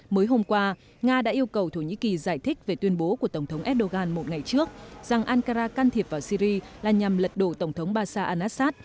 mới hôm qua nga đã yêu cầu thổ nhĩ kỳ giải thích về tuyên bố của tổng thống erdogan một ngày trước rằng ankara can thiệp vào syri là nhằm lật đổ tổng thống bashar al assad